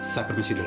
saya permisi dulu